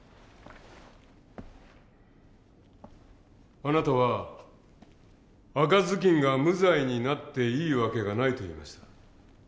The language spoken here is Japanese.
あなたは赤ずきんが無罪になっていい訳がないと言いました。